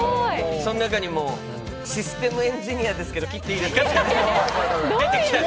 その中にもシステムエンジニアですけど、切っていいですかって人もいて。